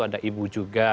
ada ibu juga